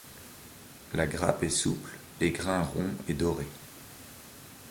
La grappe est souple, les grains ronds et dorés.